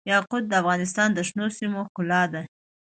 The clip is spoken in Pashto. یاقوت د افغانستان د شنو سیمو ښکلا ده.